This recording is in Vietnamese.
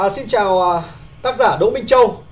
xin chào tác giả đỗ minh châu